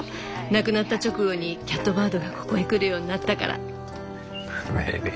亡くなった直後にキャットバードがここへ来るようになったから。